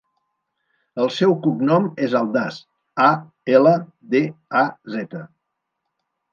El seu cognom és Aldaz: a, ela, de, a, zeta.